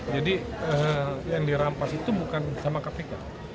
jadi yang dirampas itu bukan sama kapik